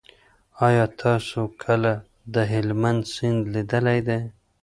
آیا تاسو کله د هلمند سیند لیدلی دی؟